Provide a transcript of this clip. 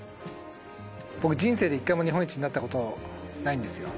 僕人生で一回も日本一になったことないんですよ